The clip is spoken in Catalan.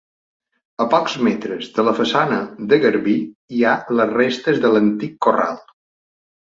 A pocs metres de la façana de garbí hi ha les restes de l'antic corral.